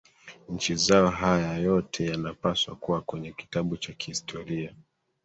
nchi zao haya yote yanapaswa kuwa kwenye kitabu Cha kihistoria